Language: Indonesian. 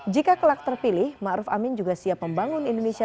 jika kelak terpilih maruf amin juga siap membangun indonesia